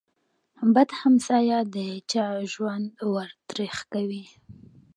بد همسایه د چا ژوند ور تريخ کوي.